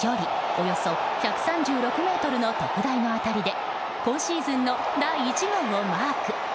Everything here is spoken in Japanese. およそ１３６ｍの特大の当たりで今シーズンの第１号をマーク。